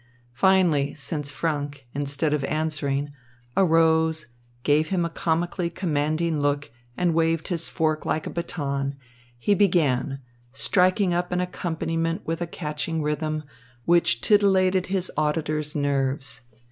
Finally, since Franck, instead of answering, arose, gave him a comically commanding look, and waved his fork like a baton, he began, striking up an accompaniment with a catching rhythm, which titillated his auditors' nerves.